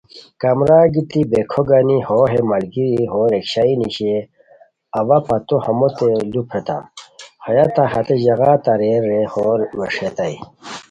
کمرا گیتی بیکھو گنی ہو ہے ملگیری ہو رکشائی نیشئے، اوا پتو ہموت لُوپھریتام، ہیہ تہ ہتے ژاغا تارئیر رے ہو ویݰئیتائے